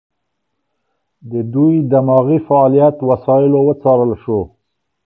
د دوی دماغي فعالیت وسایلو وڅارل شو.